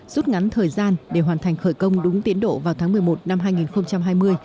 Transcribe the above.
rút ngắn thời gian để hoàn thành khởi công đúng tiến độ vào tháng một mươi một năm hai nghìn hai mươi